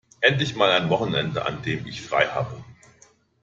Endlich mal ein Wochenende, an dem ich frei habe!